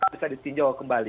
bisa ditinjau kembali